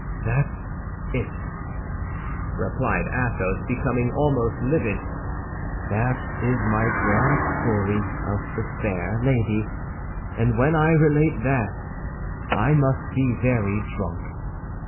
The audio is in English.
"That's it," replied Athos, becoming almost livid; "that is my grand story of the fair lady, and when I relate that, I must be very drunk."